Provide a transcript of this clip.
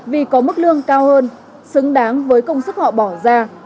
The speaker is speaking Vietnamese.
vì có mức lương cao hơn xứng đáng với công sức họ bỏ ra